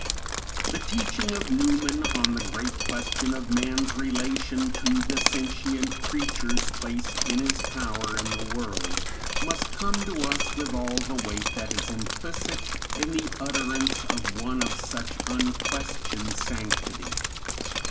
The teaching of Newman on the great question of man's relation to the sentient creatures placed in his power in the world, must come to us with all the weight that is implicit in the utterance of one of such unquestioned sanctity.